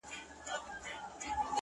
د وحشت؛ په ښاریه کي زندگي ده!!